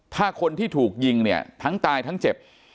ถ้าคนที่ถูกยิงเนี่ยทั้งตายทั้งเจ็บ